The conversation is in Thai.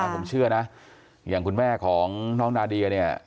ผมเชื่อนะอย่างคุณแม่ของน้องนาเดียเนี่ย